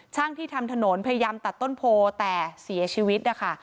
ที่ทำถนนพยายามตัดต้นโพแต่เสียชีวิตนะคะ